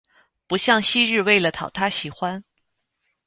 不像昔日为了讨他喜欢